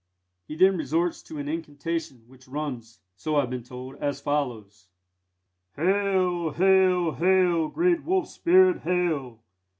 He then resorts to an incantation, which runs, so I have been told, as follows: "Hail, hail, hail, great wolf spirit, hail!